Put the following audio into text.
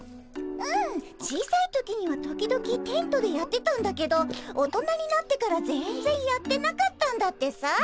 うん小さい時には時々テントでやってたんだけど大人になってから全然やってなかったんだってさ。